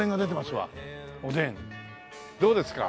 「おでん」どうですか？